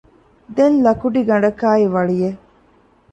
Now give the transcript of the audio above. ދެން ލަކުޑިގަނޑަކާއި ވަޅިއެއް